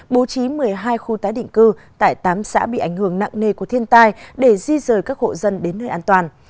bố trí một mươi hai khu tái định cư tại tám xã bị ảnh hưởng nặng nề của thiên tai để di rời các hộ dân đến nơi an toàn